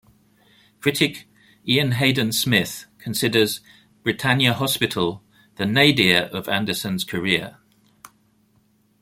Critic Ian Haydn Smith considers "Britannia Hospital" the "nadir" of Anderson's career.